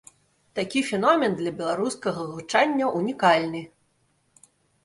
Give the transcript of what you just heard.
Такі феномен для беларускага гучання ўнікальны.